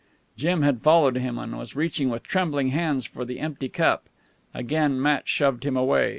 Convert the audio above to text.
Jim had followed him and was reaching with trembling hands for the empty cup. Again Matt shoved him away.